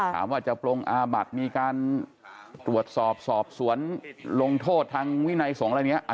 ถามว่าจะปรงอาบัติมีการตรวจสอบสอบสวนลงโทษทางวินัยสงฆ์อะไรเนี่ย